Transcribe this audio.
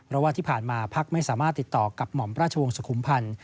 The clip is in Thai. เพราะว่าที่ผ่านมาพักไม่สามารถติดต่อกับหม่อมราชวงศ์สุขุมพันธ์